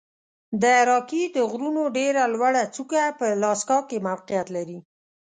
د راکي د غرونو ډېره لوړه څوکه په الاسکا کې موقعیت لري.